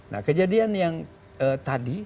nah kejadian yang tadi